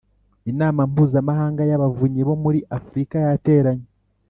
Inama mpuzamahanga y abavunyi bo muri Afurika yateranye